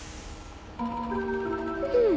うん。